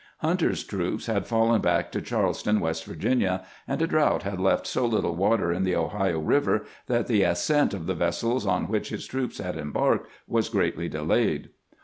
Hunter's troops had fallen back to Charleston, West Virginia, and a drought had left so little water in the Ohio River that the ascent of the vessels on which his troops had embarked was greatly delayed.